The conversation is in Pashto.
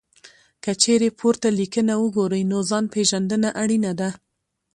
که چېرې پورته لیکنه وګورئ، نو ځان پېژندنه اړینه ده.